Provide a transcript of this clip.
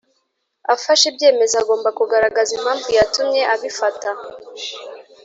afashe ibyemezo agomba kugaragaza impamvu yatumye abifata